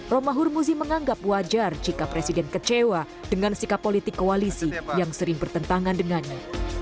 romahur muzi menganggap wajar jika presiden kecewa dengan sikap politik koalisi yang sering bertentangan dengannya